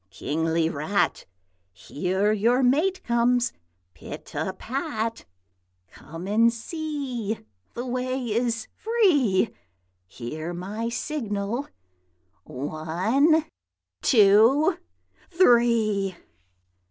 Kingly Rat! Here your mate comes pit a pat. Come and see; the way is free; Hear my signal: one! two! three!'